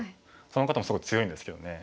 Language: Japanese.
その方もすごい強いんですけどね。